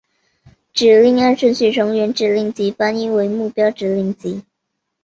指令按顺序从原指令集翻译为目标指令集。